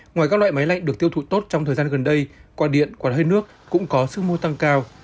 ngoài các loại máy lạnh được tiêu thụ tốt trong thời gian gần đây quạt điện quạt hơi nước cũng có sức mua tăng cao